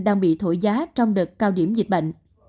đang bị thổi giá trong đợt cao điểm dịch bệnh